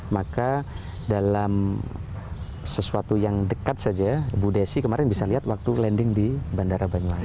maka dalam sesuatu yang dekat saja bu desi kemarin bisa lihat waktu landing di bandara banyuwangi